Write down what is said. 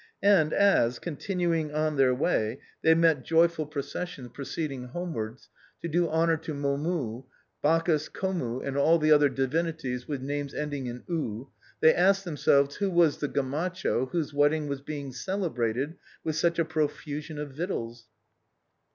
And as, continuing on their way, they met joyful pro EPILOGUE TO THE LOVES OF RODOLPHE AND MIMI. 317 cessions proceeding homewards, to do honor to Momus, Bac chus, Cornus, and all the other divinities with names end ing in " us," they asked themselves who was the Gamacho whose wedding w^as being celebrated with such a profusion of victuals.